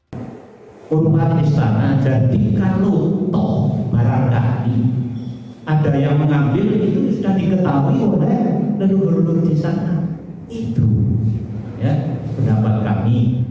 jatuhnya patung disebabkan dari faktor alam ditambah meja penopang patung yang terbuat dari bahancor lapuk karena sering terkena belerang